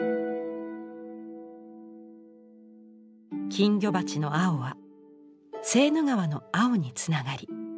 金魚鉢の青はセーヌ川の青につながり